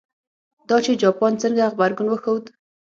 دا چې جاپان څنګه غبرګون وښود.